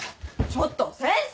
ちょっと先生！